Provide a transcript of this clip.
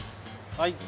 はい。